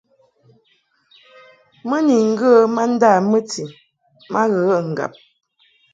Mɨ ni ŋgə ma nda mɨtin ma ghəghəʼ ŋgab.